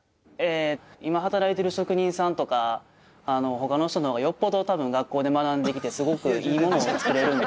今働いてる職人さんとかほかの人のほうがよっぽどたぶん学校で学んできてすごくいいものを作れるんで。